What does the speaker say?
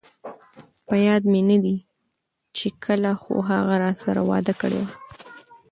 په ياد مې ندي چې کله، خو هغه راسره وعده کړي وه